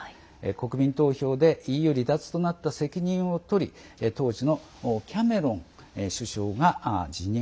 国民投票でＥＵ離脱となった責任をとり当時のキャメロン首相が辞任。